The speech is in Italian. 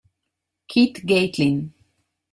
Keith Gatlin